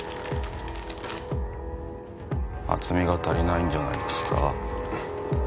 厚みが足りないんじゃないですか？